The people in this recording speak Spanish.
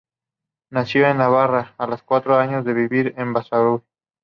Nacido en Navarra, a los cuatro años fue a vivir a Basauri.